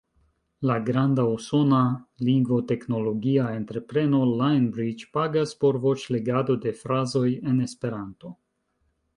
La granda usona lingvoteknologia entrepreno Lionbridge pagas por voĉlegado de frazoj en Esperanto.